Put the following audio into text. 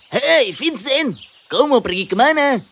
hei vincent kau mau pergi ke mana